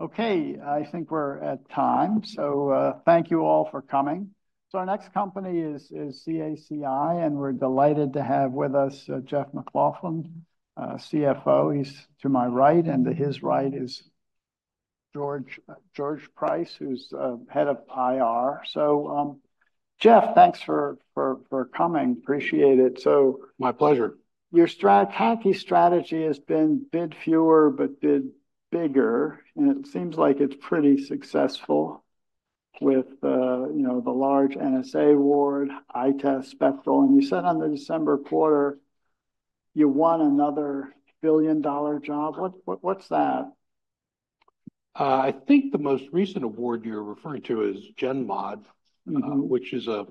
Okay, I think we're at time, so thank you all for coming. So our next company is CACI, and we're delighted to have with us Jeff MacLauchlan, CFO. He's to my right, and to his right is George Price, who's head of IR. So, Jeff, thanks for coming. Appreciate it, so- My pleasure. Your CACI strategy has been bid fewer, but bid bigger, and it seems like it's pretty successful with, you know, the large NSA award, EITaaS, Spectral. And you said on the December quarter, you won another billion-dollar job. What, what's that? I think the most recent award you're referring to is Gen Mod- Mm-hmm... which is a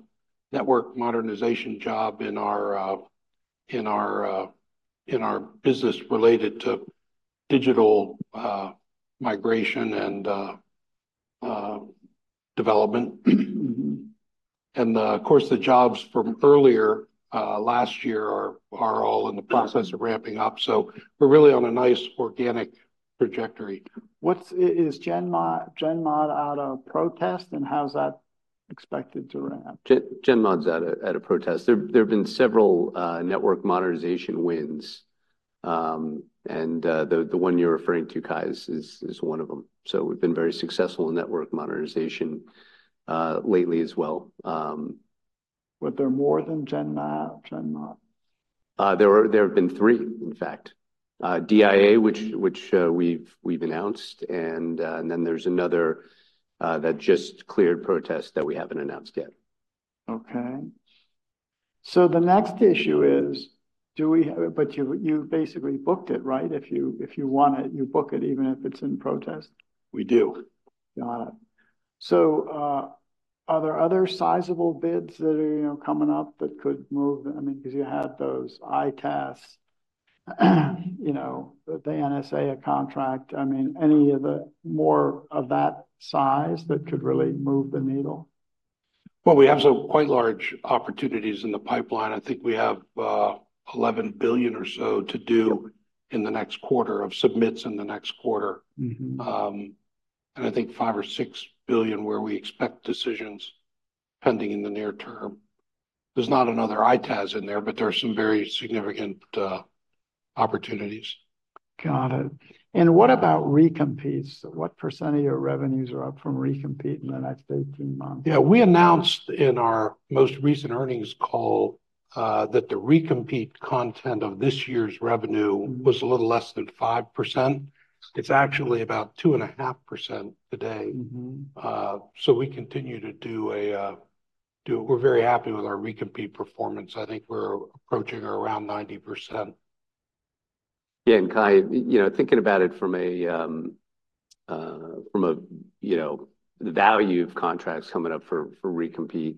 network modernization job in our business related to digital migration and development. Mm-hmm. Of course, the jobs from earlier last year are all in the process of ramping up, so we're really on a nice organic trajectory. What is Gen Mod out of protest, and how's that expected to wrap? Gen Mod's at a protest. There have been several network modernization wins. The one you're referring to, Cai, is one of them. So we've been very successful in network modernization lately as well. But there are more than Gen Mod, Gen Mod? There have been three, in fact. DIA, which we've announced, and then there's another that just cleared protests that we haven't announced yet. Okay. So the next issue is, do we have... But you, you basically booked it, right? If you, if you want it, you book it, even if it's in protest? We do. Got it. So, are there other sizable bids that are, you know, coming up that could move...? I mean, because you had those EITaaS, you know, the NSA contract. I mean, any of the more of that size that could really move the needle? Well, we have some quite large opportunities in the pipeline. I think we have $11 billion or so to do- Yep... in the next quarter, of submittals in the next quarter. Mm-hmm. I think $5 billion or $6 billion, where we expect decisions pending in the near term. There's not another EITaaS in there, but there are some very significant opportunities. Got it. And what about recompetes? What percentage of your revenues are up from recompete in the next 18 months? Yeah, we announced in our most recent earnings call that the recompete content of this year's revenue- Mm... was a little less than 5%. It's actually about 2.5% today. Mm-hmm. So we continue to do. We're very happy with our recompete performance. I think we're approaching around 90%. Yeah, and Kai, you know, thinking about it from a, you know, the value of contracts coming up for recompete.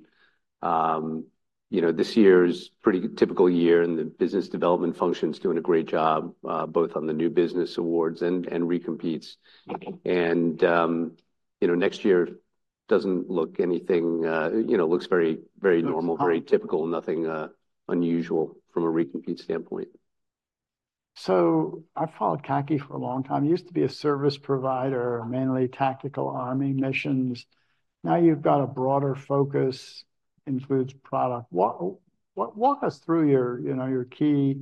You know, this year is pretty typical year, and the business development function's doing a great job, both on the new business awards and recompetes. Mm. You know, next year doesn't look anything. You know, it looks very, very normal- Mm. Very typical, nothing unusual from a recompete standpoint. So I've followed CACI for a long time. You used to be a service provider, mainly tactical Army missions. Now, you've got a broader focus, includes product. What, what-- walk us through your, you know, your key,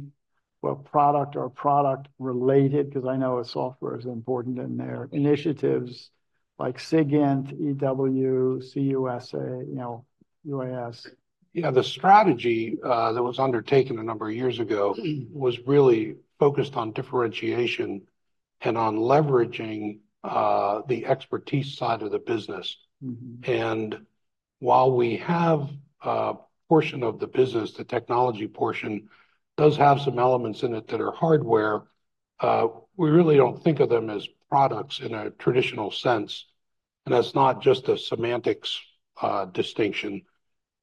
well, product or product related, because I know software is important in there, initiatives like SIGINT, EW, C-UAS, you know, UAS. Yeah, the strategy that was undertaken a number of years ago was really focused on differentiation and on leveraging the expertise side of the business. Mm-hmm. While we have a portion of the business, the technology portion, does have some elements in it that are hardware, we really don't think of them as products in a traditional sense, and that's not just a semantic distinction.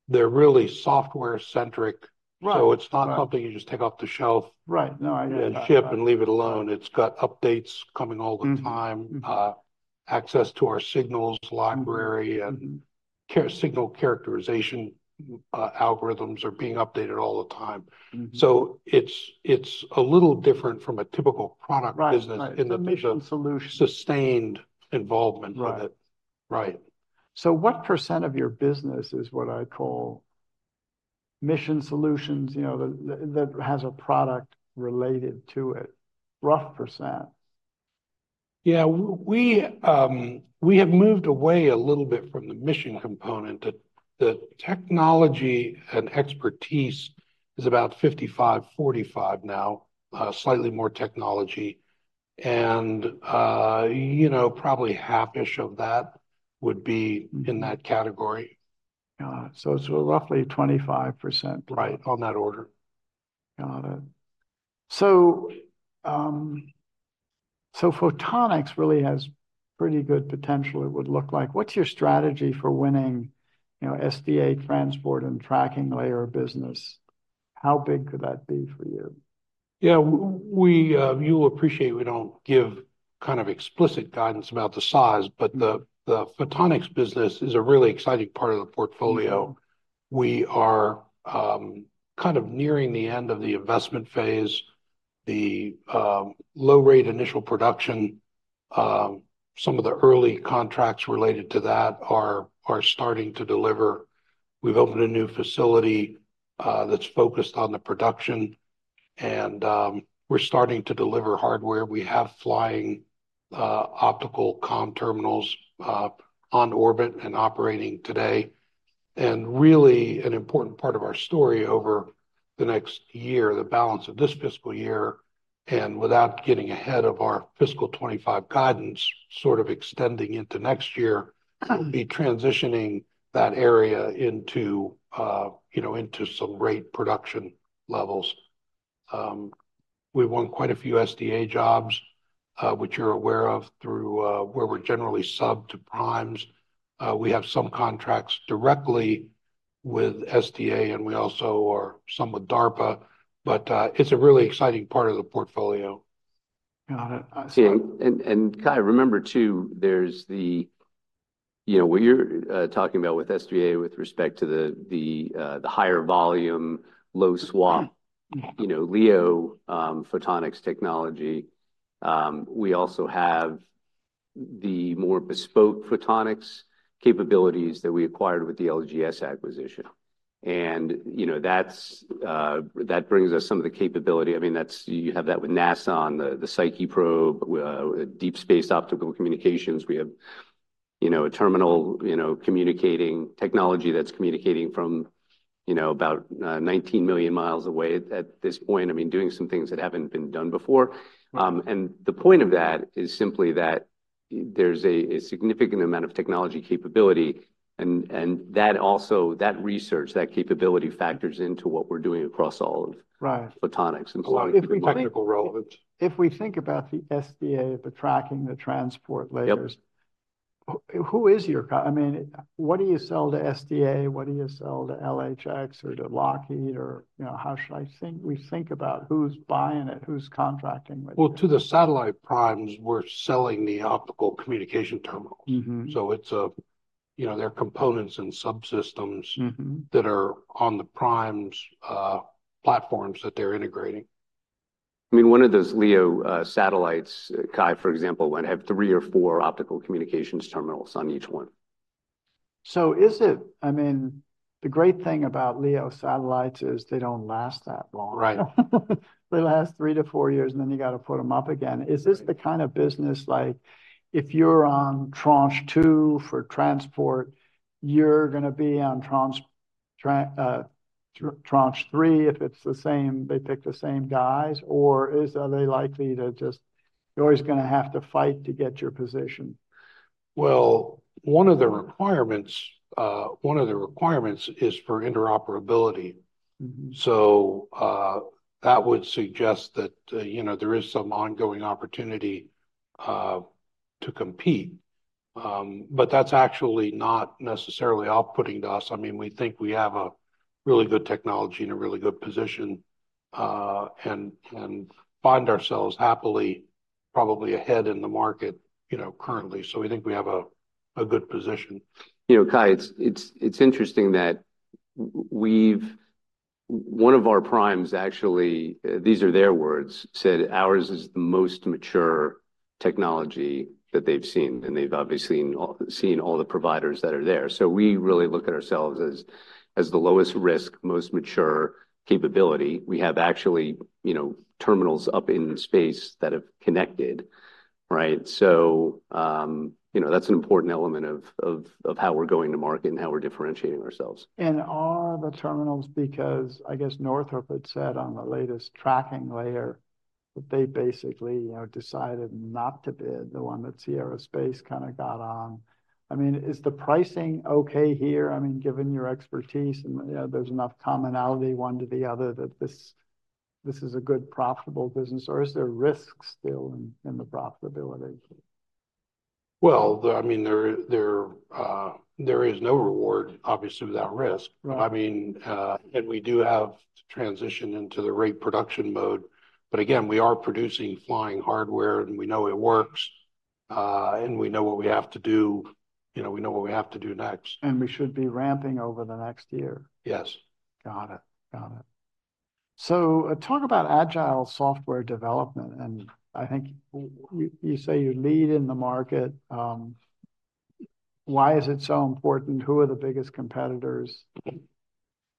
They're really software centric. Right. It's not something you just take off the shelf- Right. No, I hear that. And ship and leave it alone. It's got updates coming all the time. Mm-hmm. Mm-hmm. Access to our signals library- Mm-hmm ... and signal characterization algorithms are being updated all the time. Mm-hmm. It's a little different from a typical product business. Right, right in the mission The mission solution. Sustained involvement with it. Right. Right. So what % of your business is what I'd call mission solutions, you know, that has a product related to it? Rough percent. Yeah, we have moved away a little bit from the mission component. The technology and expertise is about 55-45 now, slightly more technology and, you know, probably half-ish of that would be in that category. So it's roughly 25%. Right, on that order. Got it. So, photonics really has pretty good potential, it would look like. What's your strategy for winning, you know, SDA transport and tracking layer business? How big could that be for you? Yeah, we, you'll appreciate we don't give kind of explicit guidance about the size, but the photonics business is a really exciting part of the portfolio. We are kind of nearing the end of the investment phase. The low rate initial production, some of the early contracts related to that are starting to deliver. We've opened a new facility that's focused on the production, and we're starting to deliver hardware. We have flying optical comm terminals on orbit and operating today. And really, an important part of our story over the next year, the balance of this fiscal year, and without getting ahead of our fiscal 2025 guidance, sort of extending into next year, will be transitioning that area into, you know, into some rate production levels. We've won quite a few SDA jobs, which you're aware of, through where we're generally subbed to primes. We have some contracts directly with SDA, and we also are some with DARPA, but it's a really exciting part of the portfolio. And I- And Kai, remember, too, there's the, you know, what you're talking about with SDA with respect to the higher volume, low SWaP- Yeah. You know, LEO, photonics technology. We also have the more bespoke photonics capabilities that we acquired with the LGS acquisition. And, you know, that's, that brings us some of the capability. I mean, that's- you have that with NASA on the, the Psyche probe, deep space optical communications. We have, you know, a terminal, you know, communicating, technology that's communicating from, you know, about, 19 million miles away at, at this point. I mean, doing some things that haven't been done before. And the point of that is simply that there's a, a significant amount of technology capability, and, and that also, that research, that capability factors into what we're doing across all of- Right... photonics and a lot of the technical relevance. If we think about the SDA, the tracking, the transport layers- Yep ... Who, I mean, what do you sell to SDA? What do you sell to LHX or to Lockheed or, you know, how should we think about who's buying it, who's contracting with you? Well, to the satellite primes, we're selling the optical communication terminals. Mm-hmm. So it's a, you know, they're components and subsystems. Mm-hmm... that are on the primes', platforms that they're integrating. I mean, one of those LEO satellites, Kai, for example, would have three or four optical communications terminals on each one. So is it, I mean, the great thing about LEO satellites is they don't last that long. Right. They last three to four years, and then you got to put them up again. Is this the kind of business like, if you're on tranche two for transport, you're gonna be on tranche three, if it's the same, they pick the same guys? Or are they likely to just... You're always gonna have to fight to get your position. Well, one of the requirements is for interoperability. Mm-hmm. That would suggest that, you know, there is some ongoing opportunity to compete. But that's actually not necessarily off-putting to us. I mean, we think we have a really good technology and a really good position, and find ourselves happily, probably ahead in the market, you know, currently. So we think we have a good position. You know, Kai, it's interesting that we have one of our primes, actually, these are their words, said ours is the most mature technology that they've seen, and they've obviously seen all the providers that are there. So we really look at ourselves as the lowest risk, most mature capability. We have actually, you know, terminals up in space that have connected, right? So, you know, that's an important element of how we're going to market and how we're differentiating ourselves. Are the terminals, because I guess Northrop had said on the latest tracking layer, that they basically, you know, decided not to bid, the one that Sierra Space kinda got on. I mean, is the pricing okay here? I mean, given your expertise and, you know, there's enough commonality, one to the other, that this, this is a good, profitable business, or is there risk still in, in the profitability? Well, I mean, there is no reward, obviously, without risk. Right. I mean, and we do have to transition into the rate production mode. But again, we are producing flying hardware, and we know it works, and we know what we have to do. You know, we know what we have to do next. We should be ramping over the next year. Yes. Got it. Got it. So, talk about agile software development, and I think you say you lead in the market. Why is it so important? Who are the biggest competitors?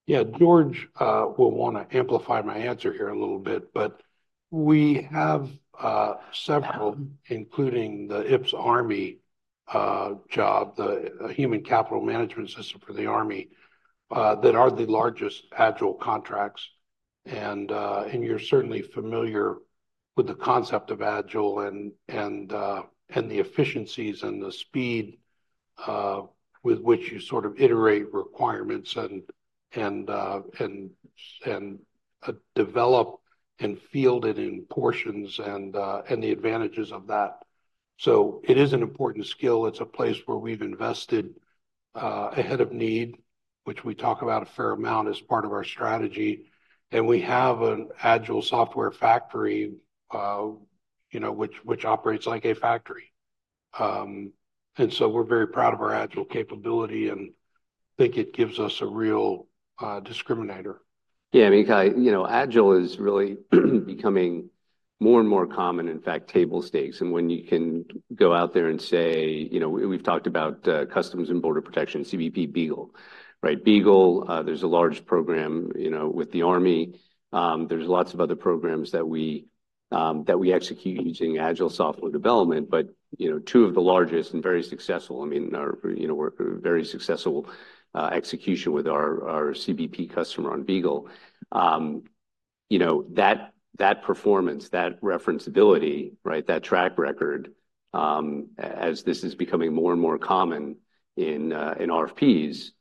Yeah, George, will wanna amplify my answer here a little bit, but we have several, including the IPPS-A job, the Human Capital Management System for the Army, that are the largest agile contracts. And you're certainly familiar with the concept of agile and the efficiencies and the speed with which you sort of iterate requirements and develop and field it in portions and the advantages of that. So it is an important skill. It's a place where we've invested ahead of need, which we talk about a fair amount as part of our strategy. And we have an agile software factory, you know, which operates like a factory, and so we're very proud of our agile capability, and think it gives us a real discriminator. Yeah, I mean, Kai, you know, agile is really becoming more and more common, in fact, table stakes. And when you can go out there and say, you know, we've talked about Customs and Border Protection, CBP BEAGLE, right? BEAGLE, there's a large program, you know, with the Army. There's lots of other programs that we, that we execute using agile software development, but, you know, two of the largest and very successful, I mean, are, you know, we're very successful execution with our, our CBP customer on BEAGLE. You know, that performance, that reference ability, right, that track record, as this is becoming more and more common in RFPs,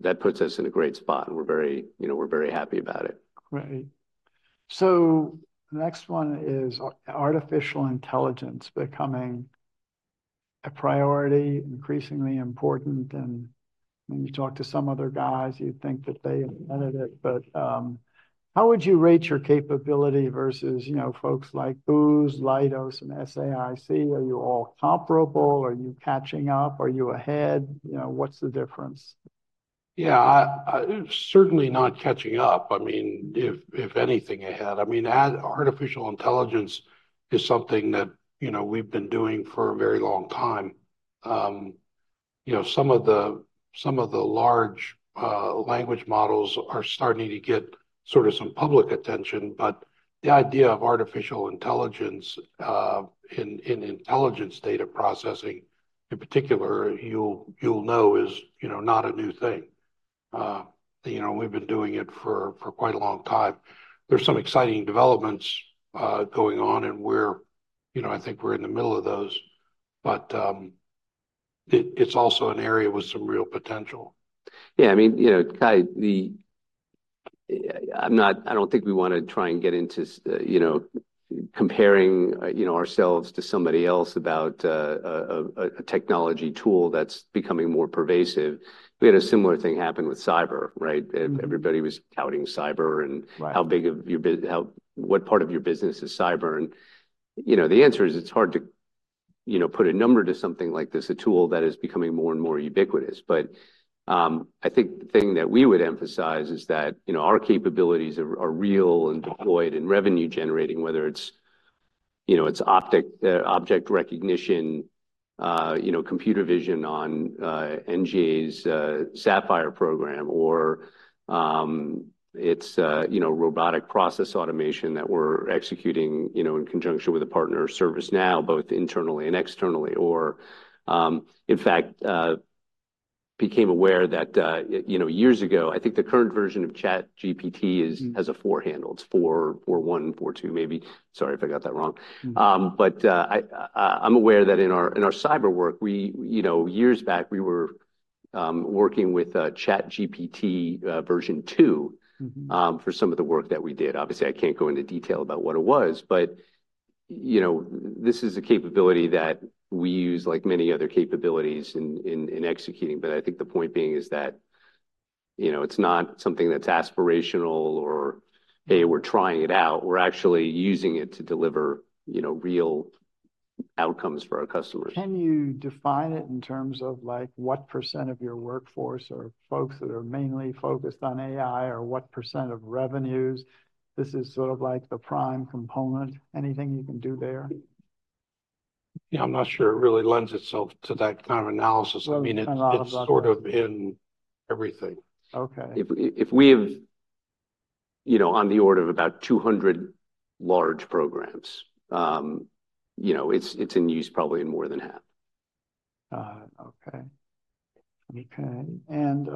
that puts us in a great spot, and we're very, you know, we're very happy about it. Right. So the next one is artificial intelligence becoming a priority, increasingly important, and when you talk to some other guys, you'd think that they invented it. But, how would you rate your capability versus, you know, folks like Booz, Leidos, and SAIC? Are you all comparable? Are you catching up? Are you ahead? You know, what's the difference? Yeah, certainly not catching up. I mean, if anything, ahead. I mean, artificial intelligence is something that, you know, we've been doing for a very long time. You know, some of the large language models are starting to get sort of some public attention, but the idea of artificial intelligence in intelligence data processing, in particular, you'll know is, you know, not a new thing. You know, we've been doing it for quite a long time. There's some exciting developments going on, and we're, you know, I think we're in the middle of those. But it's also an area with some real potential. Yeah, I mean, you know, Kai, I'm not—I don't think we want to try and get into, you know, comparing, you know, ourselves to somebody else about a technology tool that's becoming more pervasive. We had a similar thing happen with cyber, right? Mm. Everybody was touting cyber- Right... and how big of your business is cyber? And, you know, the answer is it's hard to, you know, put a number to something like this, a tool that is becoming more and more ubiquitous. But, I think the thing that we would emphasize is that, you know, our capabilities are, are real, and deployed, and revenue-generating, whether it's, you know, it's optic, object recognition, you know, computer vision on, NGA's, SAFFIRE program, or, it's, you know, robotic process automation that we're executing, you know, in conjunction with a partner, ServiceNow, both internally and externally. Or, in fact, became aware that, you know, years ago, I think the current version of ChatGPT is- Mm... has a 4 handle. It's $441, $442, maybe. Sorry if I got that wrong. Mm. I'm aware that in our cyber work, you know, we were working with ChatGPT version two- Mm-hmm... for some of the work that we did. Obviously, I can't go into detail about what it was, but, you know, this is a capability that we use, like many other capabilities, in executing. But I think the point being is that, you know, it's not something that's aspirational or, "Hey, we're trying it out." We're actually using it to deliver, you know, real outcomes for our customers. Can you define it in terms of, like, what % of your workforce or folks that are mainly focused on AI, or what % of revenues, this is sort of like the prime component? Anything you can do there? Yeah, I'm not sure it really lends itself to that kind of analysis. Well, I mean, it's sort of in everything. Okay. If we've, you know, on the order of about 200 large programs, you know, it's in use probably in more than half. Okay. Okay, and,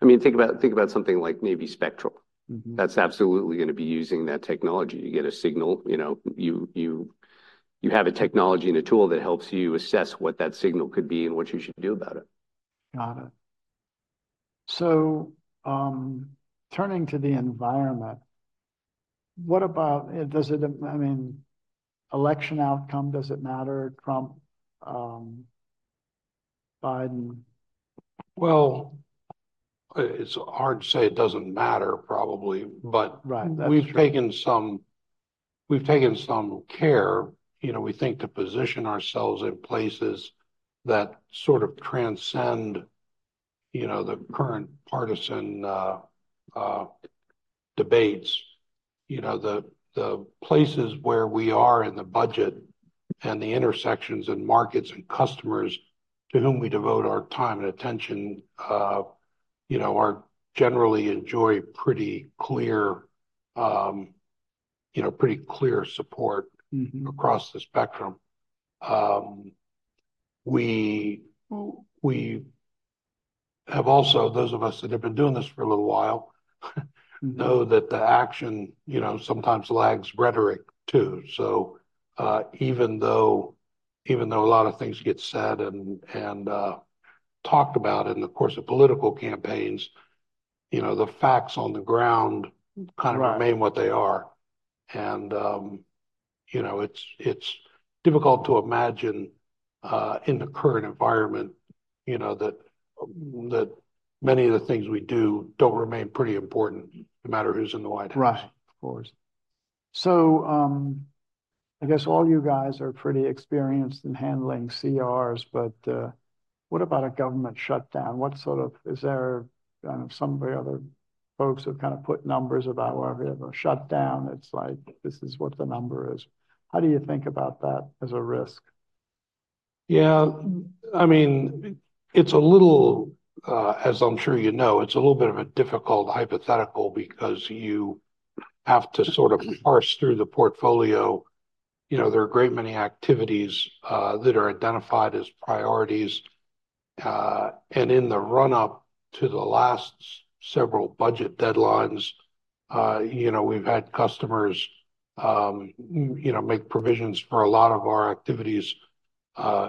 I mean, think about, think about something like maybe Spectral. Mm-hmm. That's absolutely gonna be using that technology. You get a signal, you know, you have a technology and a tool that helps you assess what that signal could be and what you should do about it. Got it. So, turning to the environment, what about... does it, I mean, election outcome, does it matter, Trump, Biden? Well, it's hard to say it doesn't matter, probably, but- Right. That's true.... we've taken some care, you know, we think, to position ourselves in places that sort of transcend, you know, the current partisan debates. You know, the places where we are in the budget and the intersections, and markets, and customers to whom we devote our time and attention, you know, are generally enjoy pretty clear, you know, pretty clear support- Mm-hmm... across the spectrum. We have also, those of us that have been doing this for a little while, know that the action, you know, sometimes lags rhetoric, too. So, even though a lot of things get said and talked about in the course of political campaigns, you know, the facts on the ground- Right... kind of remain what they are. And, you know, it's difficult to imagine in the current environment, you know, that many of the things we do don't remain pretty important, no matter who's in the White House. Right. Of course. So, I guess all you guys are pretty experienced in handling CRs, but, what about a government shutdown? What sort of— Is there, some of the other folks who've kind of put numbers about wherever you have a shutdown, it's like, this is what the number is. How do you think about that as a risk? Yeah, I mean, it's a little, as I'm sure you know, it's a little bit of a difficult hypothetical because you have to sort of parse through the portfolio. You know, there are a great many activities that are identified as priorities. And in the run-up to the last several budget deadlines, you know, we've had customers, you know, make provisions for a lot of our activities,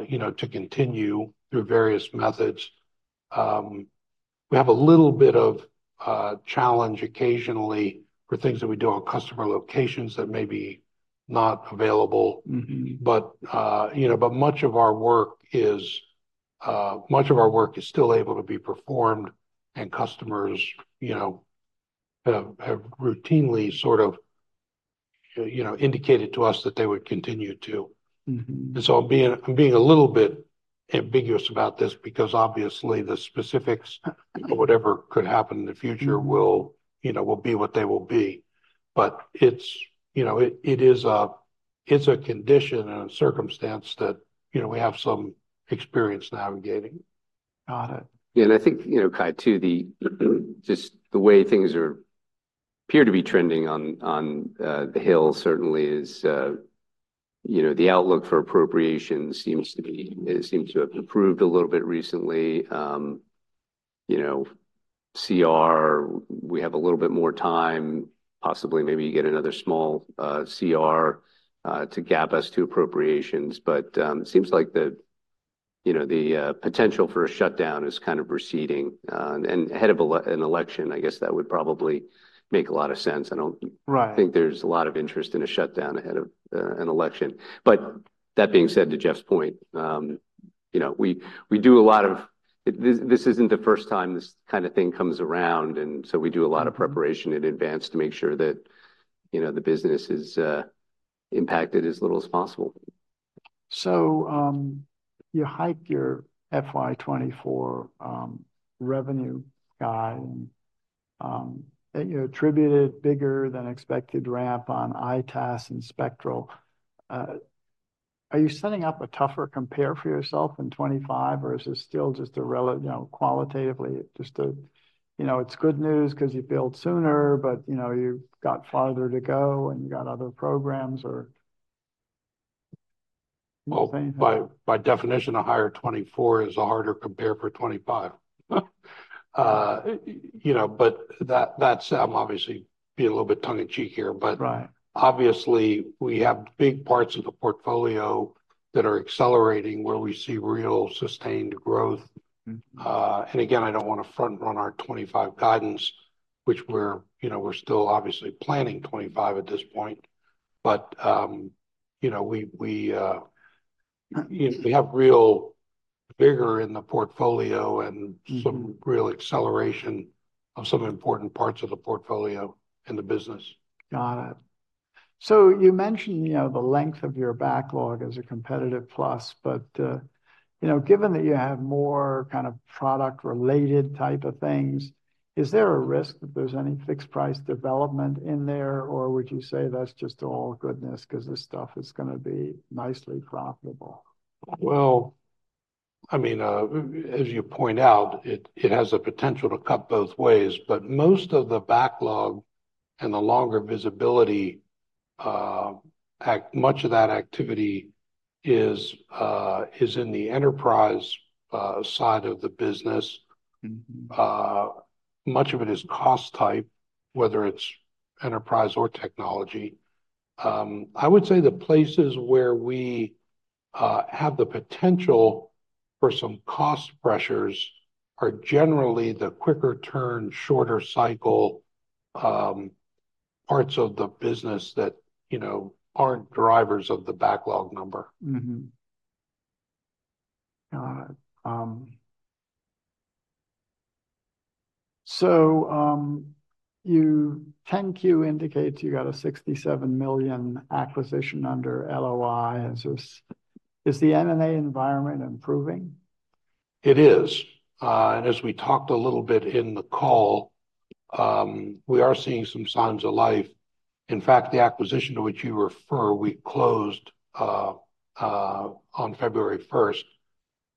you know, to continue through various methods. We have a little bit of a challenge occasionally for things that we do on customer locations that may be not available. Mm-hmm. But, you know, much of our work is still able to be performed, and customers, you know, have routinely sort of, you know, indicated to us that they would continue to. Mm-hmm. So I'm being a little bit ambiguous about this because obviously, the specifics of whatever could happen in the future will, you know, will be what they will be. But it's, you know, it is a condition and a circumstance that, you know, we have some experience navigating. Got it. Yeah, and I think, you know, Kai, too, the, just the way things are appear to be trending on the Hill certainly is, you know, the outlook for appropriations seems to be, seems to have improved a little bit recently. You know, CR, we have a little bit more time, possibly, maybe you get another small CR to gap us to appropriations. But, it seems like the, you know, the potential for a shutdown is kind of receding, and ahead of ele- an election, I guess that would probably make a lot of sense. I don't- Right... think there's a lot of interest in a shutdown ahead of an election. But that being said, to Jeff's point, you know, we do a lot of... This isn't the first time this kind of thing comes around, and so we do a lot of preparation in advance to make sure that, you know, the business is impacted as little as possible. So, you hiked your FY 2024 revenue guide, and you attributed bigger than expected ramp on EITaaS and Spectral. Are you setting up a tougher compare for yourself in 2025, or is this still just a—you know, qualitatively just a, you know, it's good news because you billed sooner, but, you know, you've got farther to go, and you got other programs or? Well, by definition, a higher 24 is a harder compare for 25. You know, but that's obviously being a little bit tongue in cheek here, but- Right... obviously, we have big parts of the portfolio that are accelerating, where we see real sustained growth. Mm-hmm. And again, I don't want to front run our 25 guidance, which we're, you know, still obviously planning 25 at this point, but, you know, we have real vigor in the portfolio- Mm-hmm... and some real acceleration of some important parts of the portfolio and the business. Got it. So you mentioned, you know, the length of your backlog as a competitive plus, but, you know, given that you have more kind of product-related type of things, is there a risk that there's any fixed price development in there, or would you say that's just all goodness because this stuff is gonna be nicely profitable? Well, I mean, as you point out, it has the potential to cut both ways. But most of the backlog and the longer visibility, much of that activity is in the enterprise side of the business. Mm-hmm. Much of it is cost type, whether it's enterprise or technology. I would say the places where we have the potential for some cost pressures are generally the quicker turn, shorter cycle parts of the business that, you know, aren't drivers of the backlog number. Mm-hmm. Got it. So, your 10-Q indicates you got a $67 million acquisition under LOI. Is this the M&A environment improving? It is. And as we talked a little bit in the call, we are seeing some signs of life. In fact, the acquisition to which you refer, we closed on February first,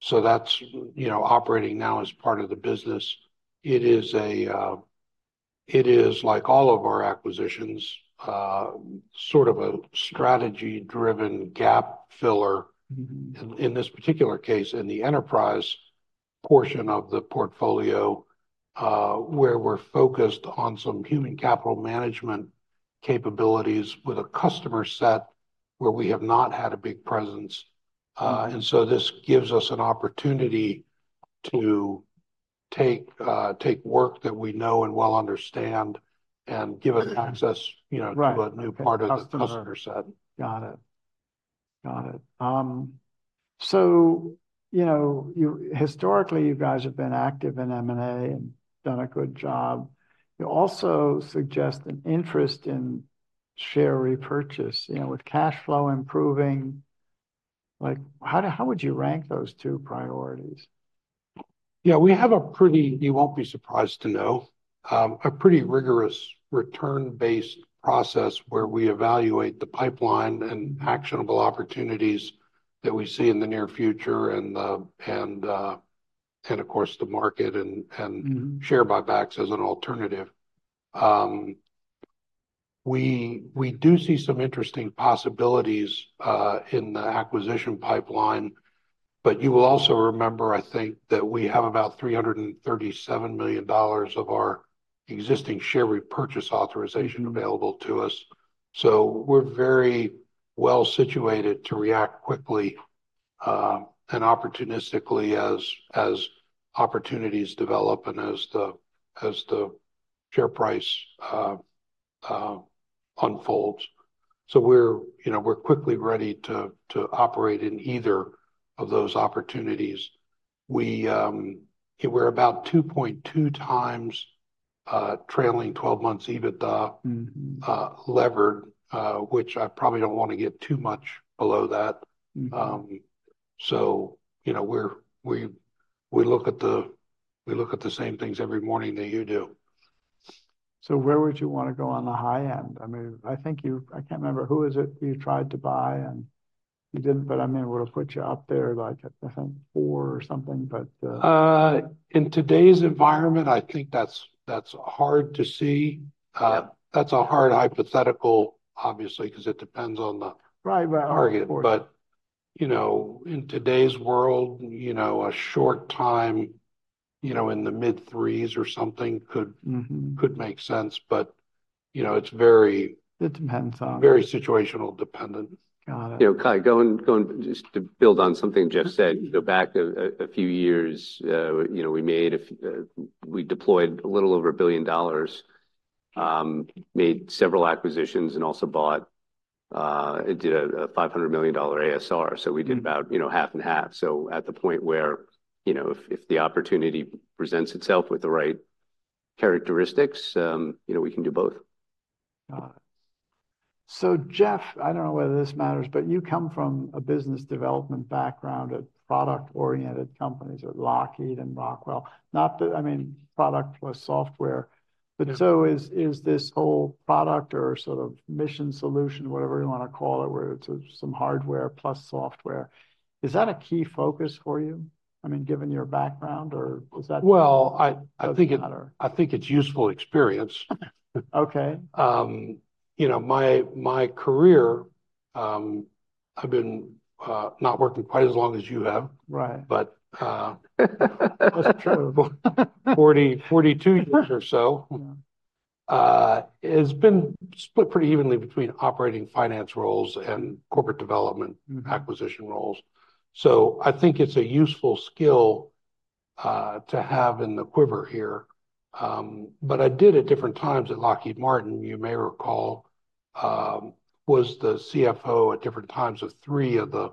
so that's, you know, operating now as part of the business. It is a, it is like all of our acquisitions, sort of a strategy-driven gap filler. Mm-hmm. In this particular case, in the enterprise portion of the portfolio, where we're focused on some human capital management capabilities with a customer set where we have not had a big presence. So this gives us an opportunity to take work that we know and well understand and give us access- Right... you know, to a new part of the customer set. Got it. Got it. So, you know, historically, you guys have been active in M&A and done a good job. You also suggest an interest in share repurchase, you know, with cash flow improving. Like, how would you rank those two priorities? Yeah, we have a pretty, you won't be surprised to know, a pretty rigorous return-based process where we evaluate the pipeline and actionable opportunities that we see in the near future, and of course, the market and, Mm-hmm -share buybacks as an alternative. We do see some interesting possibilities in the acquisition pipeline, but you will also remember, I think, that we have about $337 million of our existing share repurchase authorization available to us. So we're very well situated to react quickly and opportunistically as opportunities develop and as the share price unfolds. So we're, you know, we're quickly ready to operate in either of those opportunities. We... We're about 2.2 times trailing twelve months EBITDA- Mm-hmm... levered, which I probably don't want to get too much below that. Mm-hmm. So, you know, we look at the same things every morning that you do. So where would you want to go on the high end? I mean, I think you... I can't remember, who is it you tried to buy, and you didn't, but I mean, it would have put you up there, like at, I think, four or something, but, In today's environment, I think that's hard to see. Yep. That's a hard hypothetical, obviously, because it depends on the- Right. Right -target. But, you know, in today's world, you know, a short time, you know, in the mid-3s or something could- Mm-hmm Could make sense, but, you know, it's very- It depends on- Very situational dependent. Got it. You know, Kai, just to build on something Jeff said, you know, back a few years, you know, we deployed a little over $1 billion, made several acquisitions and also bought and did a $500 million ASR. Mm-hmm. So we did about, you know, half and half. So at the point where, you know, if the opportunity presents itself with the right characteristics, you know, we can do both. Got it. So, Jeff, I don't know whether this matters, but you come from a business development background at product-oriented companies, at Lockheed and Rockwell. Not that, I mean, product plus software. Yeah. But so is this whole product or sort of mission solution, whatever you wanna call it, where it's some hardware plus software, is that a key focus for you, I mean, given your background, or is that- Well, I think it- -doesn't matter? I think it's useful experience. Okay. You know, my career, I've been not working quite as long as you have- Right. But, uh, That's true. 40, 42 years or so, Yeah It's been split pretty evenly between operating finance roles and corporate development- Mm... acquisition roles. So I think it's a useful skill to have in the quiver here. But I did at different times at Lockheed Martin, you may recall, was the CFO at different times of three of the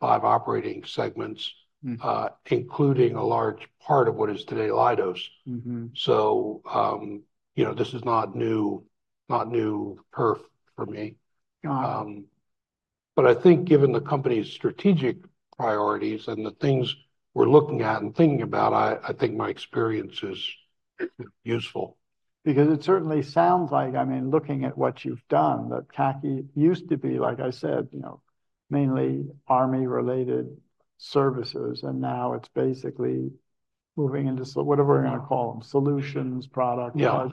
five operating segments- Mm... including a large part of what is today Leidos. Mm-hmm. So, you know, this is not new, not new perf for me. Got it. But I think given the company's strategic priorities and the things we're looking at and thinking about, I think my experience is useful. Because it certainly sounds like, I mean, looking at what you've done, that CACI used to be, like I said, you know, mainly army-related services, and now it's basically moving into so—whatever we're gonna call them, solutions, products— Yeah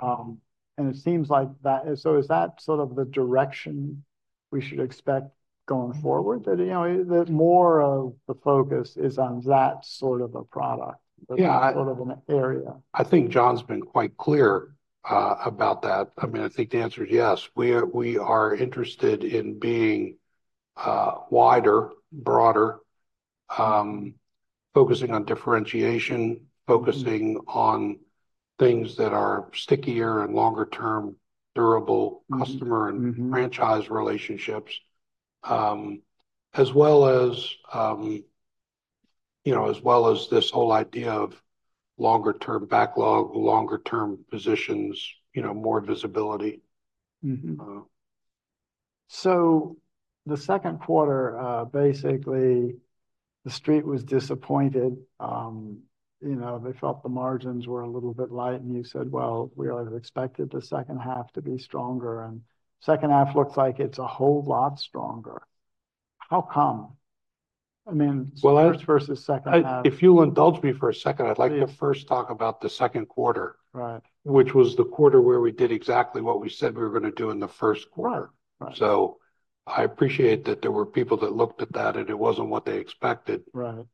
And it seems like that... So is that sort of the direction we should expect going forward? That, you know, that more of the focus is on that sort of a product- Yeah or sort of an area. I think John's been quite clear about that. I mean, I think the answer is yes. We are, we are interested in being wider, broader, focusing on differentiation. Mm Focusing on things that are stickier and longer-term, durable- Mm-hmm -customer and- Mm-hmm - franchise relationships. As well as, you know, as well as this whole idea of longer-term backlog, longer-term positions, you know, more visibility. Mm-hmm. Uh- So the second quarter, basically, the street was disappointed. You know, they felt the margins were a little bit light, and you said, "Well, we expected the second half to be stronger," and second half looks like it's a whole lot stronger. How come? I mean- Well, I- First versus second half. If you'll indulge me for a second, Please I'd like to first talk about the second quarter- Right... which was the quarter where we did exactly what we said we were gonna do in the first quarter. Right, right. I appreciate that there were people that looked at that, and it wasn't what they expected. Right.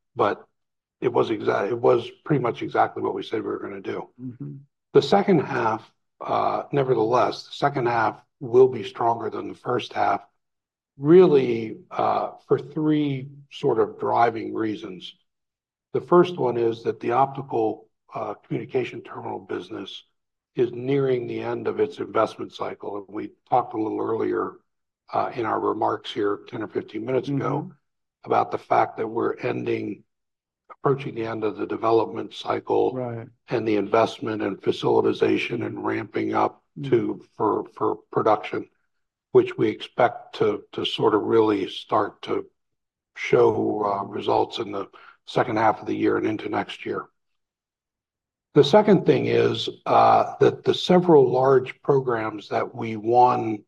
It was pretty much exactly what we said we were gonna do. Mm-hmm. The second half, nevertheless, the second half will be stronger than the first half, really, for three sort of driving reasons... The first one is that the optical communication terminal business is nearing the end of its investment cycle. And we talked a little earlier, in our remarks here, 10 or 15 minutes ago- Mm-hmm. about the fact that we're ending, approaching the end of the development cycle. Right the investment and facilitation and ramping up to- Mm for production, which we expect to sort of really start to show results in the second half of the year and into next year. The second thing is that the several large programs that we won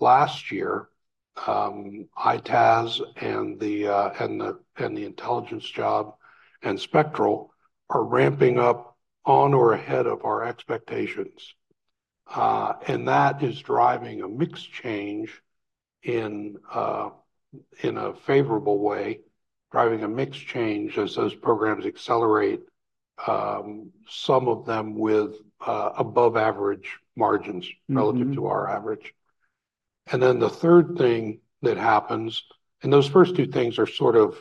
last year, ITAS and the intelligence job, and Spectral are ramping up on or ahead of our expectations. And that is driving a mix change in a favorable way, driving a mix change as those programs accelerate, some of them with above average margins. Mm-hmm Relative to our average. And then the third thing that happens, and those first two things are sort of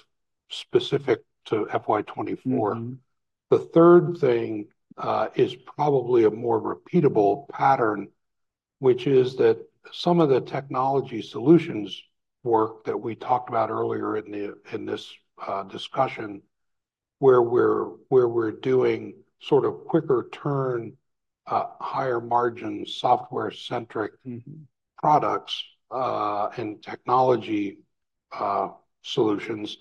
specific to FY 2024. Mm-hmm. The third thing is probably a more repeatable pattern, which is that some of the technology solutions work that we talked about earlier in the, in this discussion, where we're doing sort of quicker turn, higher margin, software-centric- Mm-hmm -products, and technology solutions,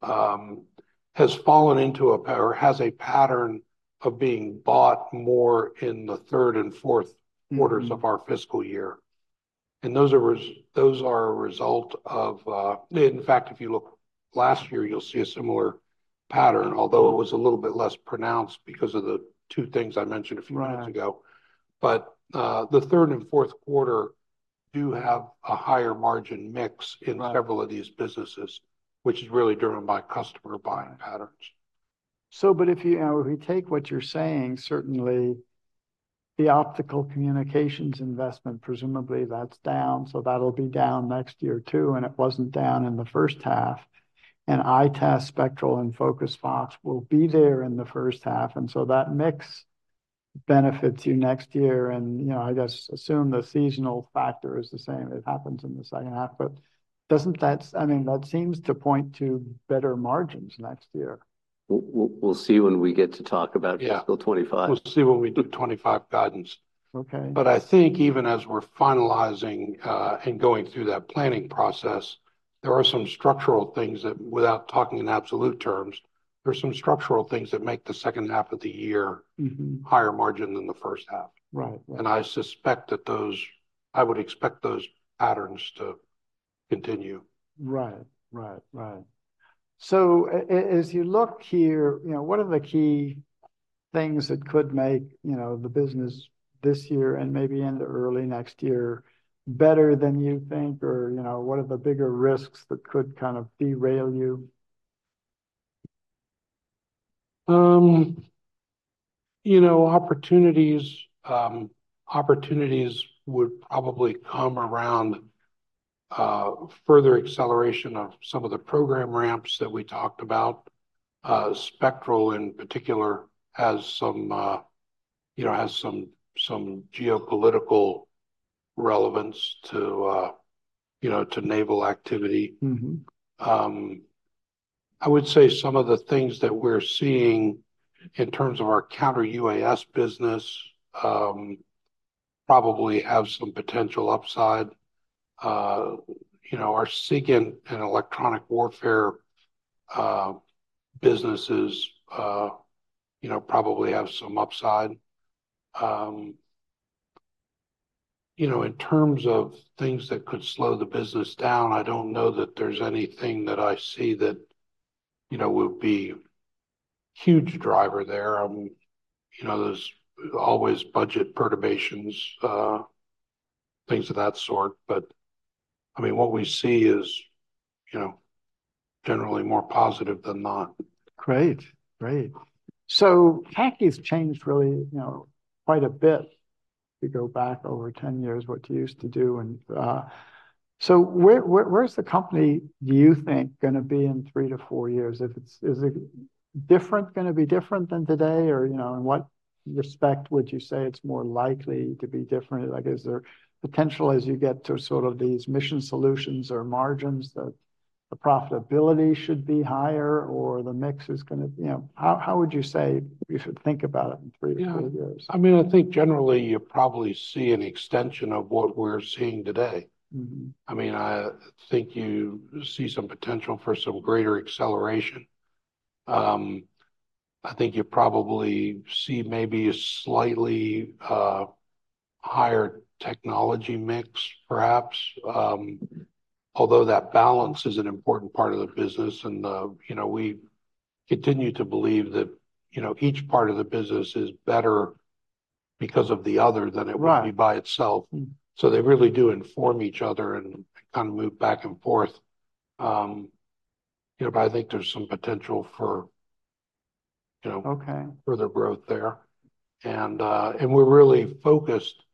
has fallen into a pattern or has a pattern of being bought more in the third and fourth quarters- Mm-hmm of our fiscal year. Those are a result of. In fact, if you look last year, you'll see a similar pattern, although it was a little bit less pronounced because of the two things I mentioned a few minutes ago. Right. The third and fourth quarter do have a higher margin mix- Right in several of these businesses, which is really driven by customer buying patterns. So, but if you, if you take what you're saying, certainly the optical communications investment, presumably that's down, so that'll be down next year too, and it wasn't down in the first half. And ITAS, Spectral, and FocusedFox will be there in the first half, and so that mix benefits you next year. And, you know, I just assume the seasonal factor is the same; it happens in the second half. But doesn't that... I mean, that seems to point to better margins next year. We'll see when we get to talk about- Yeah -fiscal twenty-five. We'll see when we do 25 guidance. Okay. But I think even as we're finalizing and going through that planning process, there are some structural things that, without talking in absolute terms, there are some structural things that make the second half of the year- Mm-hmm higher margin than the first half. Right. Right. And I suspect that those, I would expect those patterns to continue. Right. Right. Right. So as you look here, you know, what are the key things that could make, you know, the business this year and maybe into early next year, better than you think, or, you know, what are the bigger risks that could kind of derail you? You know, opportunities would probably come around, further acceleration of some of the program ramps that we talked about. Spectral, in particular, has some, you know, some geopolitical relevance to, you know, to naval activity. Mm-hmm. I would say some of the things that we're seeing in terms of our counter-UAS business, probably have some potential upside. You know, our SIGINT and electronic warfare businesses, you know, probably have some upside. You know, in terms of things that could slow the business down, I don't know that there's anything that I see that, you know, would be huge driver there. You know, there's always budget perturbations, things of that sort, but, I mean, what we see is, you know, generally more positive than not. Great. Great. So tech has changed really, you know, quite a bit, if you go back over 10 years, what you used to do. And, so where's the company, do you think, gonna be in 3 to 4 years? If it's—Is it different, gonna be different than today? Or, you know, in what respect would you say it's more likely to be different? Like, is there potential as you get to sort of these mission solutions or margins, that the profitability should be higher, or the mix is gonna... You know, how would you say we should think about it in 3 to 4 years? Yeah. I mean, I think generally, you'll probably see an extension of what we're seeing today. Mm-hmm. I mean, I think you see some potential for some greater acceleration. I think you'll probably see maybe a slightly higher technology mix, perhaps. Although that balance is an important part of the business, and, you know, we continue to believe that, you know, each part of the business is better because of the other than it- Right would be by itself. Mm. They really do inform each other and kind of move back and forth. You know, but I think there's some potential for, you know... Okay... further growth there. And, and we're really focused.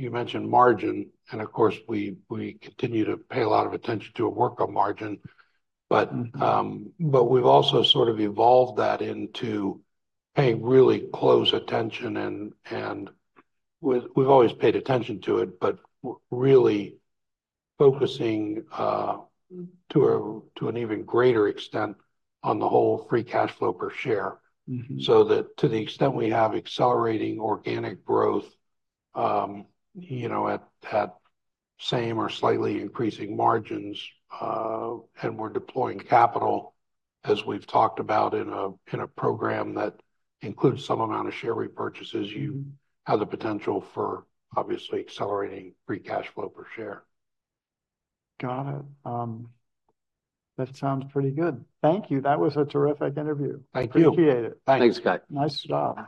You mentioned margin, and of course, we, we continue to pay a lot of attention to and work on margin. Mm-hmm. But, but we've also sort of evolved that into paying really close attention, and we've always paid attention to it, but really focusing to an even greater extent on the whole free cash flow per share. Mm-hmm. So that to the extent we have accelerating organic growth, you know, at same or slightly increasing margins, and we're deploying capital, as we've talked about in a program that includes some amount of share repurchases, you have the potential for, obviously, accelerating free cash flow per share. Got it. That sounds pretty good. Thank you. That was a terrific interview. Thank you. Appreciate it. Thanks. Thanks, guy. Nice job.